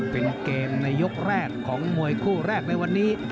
เป็นเกมในยกแรกของมวยคู่แรกในวันนี้